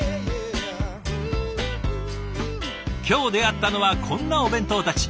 今日出会ったのはこんなお弁当たち。